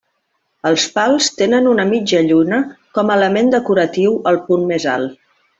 Els pals tenen una mitja lluna com a element decoratiu al punt més alt.